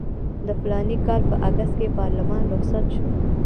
د فلاني کال په اګست کې پارلمان رخصت شو.